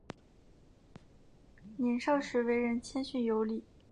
年少时为人谦逊有礼。